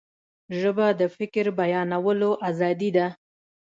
ژبه د فکر بیانولو آزادي ده